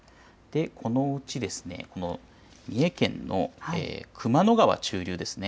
このうち三重県の熊野川中流